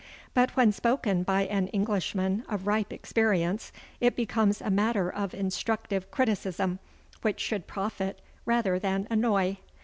But when spoken by an Englishman of ripe experience it becomes a matter of instructive criticism, which should profit rather than annoy.